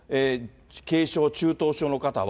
軽症、中等症の方は。